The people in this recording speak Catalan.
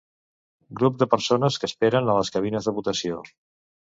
Grup de persones que esperen a les cabines de votació.